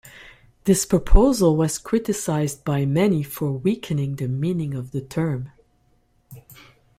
This proposal was criticized by many for weakening the meaning of the term.